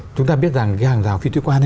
chúng ta biết rằng cái hàng rào phi thuế quan